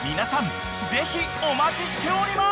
ぜひお待ちしております］